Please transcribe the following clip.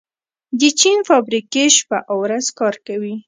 د چین فابریکې شپه او ورځ کار کوي.